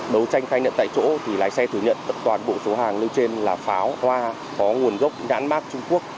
đấu tranh khai nhận tại chỗ thì lái xe thử nhận toàn bộ số hàng nêu trên là pháo hoa có nguồn gốc nhãn mát trung quốc